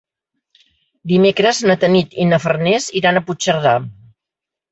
Dimecres na Tanit i na Farners iran a Puigcerdà.